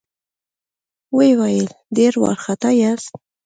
ويې ويل: ډېر وارخطا ياست؟